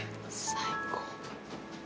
最高！